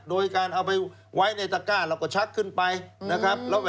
โดยการเอาไปไว้ในตะก้าเราก็ชักขึ้นไปนะครับ